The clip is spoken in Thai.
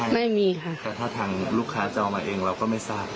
ไม่มีเต็มนั้นเองก็ไม่มี